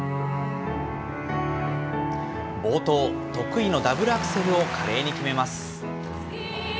冒頭、得意のダブルアクセルを華麗に決めます。